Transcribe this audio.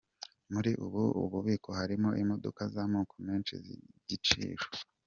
Muri ubu bubiko harimo imodoka z'amoko menshi z'igiciro.